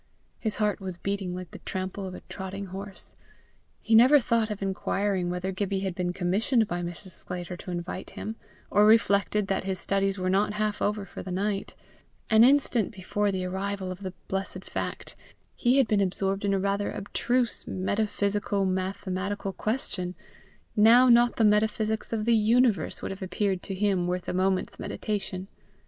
His heart was beating like the trample of a trotting horse. He never thought of inquiring whether Gibbie had been commissioned by Mrs. Sclater to invite him, or reflected that his studies were not half over for the night. An instant before the arrival of the blessed fact, he had been absorbed in a rather abstruse metaphysico mathematical question; now not the metaphysics of the universe would have appeared to him worth a moment's meditation.